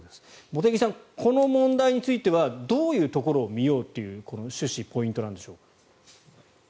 茂木さん、この問題についてはどういうところを見ようという趣旨、ポイントなんでしょう。